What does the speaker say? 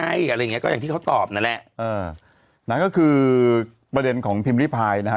อะไรอย่างเงี้ก็อย่างที่เขาตอบนั่นแหละเออนั่นก็คือประเด็นของพิมพ์ริพายนะฮะ